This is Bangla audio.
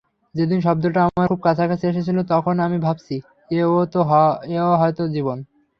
যেদিন শব্দটা আমার খুব কাছাকাছি এসেছিল, তখনো আমি ভাবছি, এ–ও হয়তো জীবন।